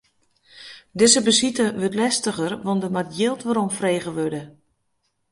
Dizze besite wurdt lestiger, want der moat jild weromfrege wurde.